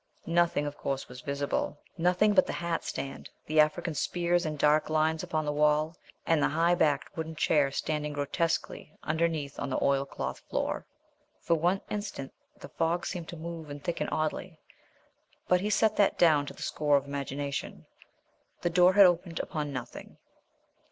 Nothing, of course, was visible nothing but the hat stand, the African spears in dark lines upon the wall and the high backed wooden chair standing grotesquely underneath on the oilcloth floor. For one instant the fog seemed to move and thicken oddly; but he set that down to the score of the imagination. The door had opened upon nothing.